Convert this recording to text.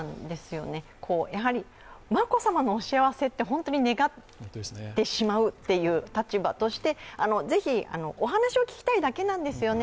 やはり眞子さまのお幸せを願ってしまう立場としてぜひ、お話を聞きたいだけなんですよね。